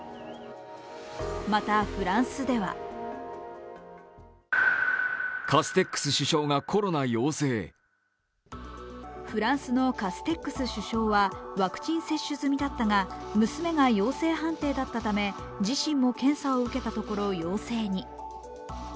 また、フランスではフランスのカステックス首相はワクチン接種済みだったが娘が陽性判定だったため、自身も検査を受けたところ陽性に。